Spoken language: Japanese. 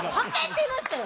て言いましたよ！